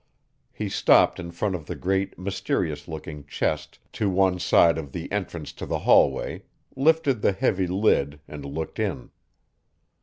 He stopped in front of the great, mysterious looking chest to one side of the entrance to the hallway, lifted the heavy lid and looked in.